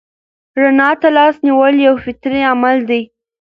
رڼا ته لاس نیول یو فطري عمل دی.